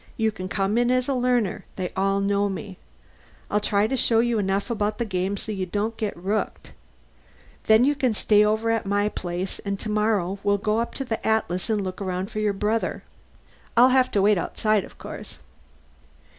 You can come in as a learner; they all know me. I'll try to show you enough about the game so you don't get rooked. Then you can stay over at my place and tomorrow we'll go up to the Atlas and look around for your brother. I'll have to wait outside, of course."